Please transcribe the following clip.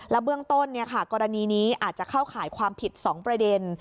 เบื้องต้นกรณีนี้อาจจะเข้าข่ายความผิด๒ประเด็น